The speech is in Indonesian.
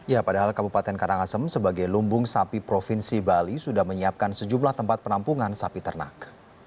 ya padahal kabupaten karangasem sebagai lumbung sapi provinsi bali sudah menyiapkan sejumlah tempat penampungan sapi ternak